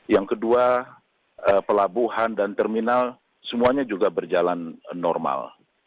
yang kedua pelabuhan dan terminal semuanya juga berjalan normal